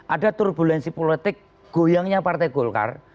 ada turbulensi politik goyangnya partai golkar